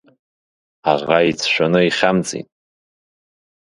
Аӷа ицәшәаны ихьамҵит!